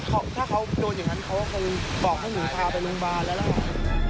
ถ้าเขาโดนอย่างนั้นเขาก็คงบอกให้หนูพาไปโรงพยาบาลแล้วล่ะ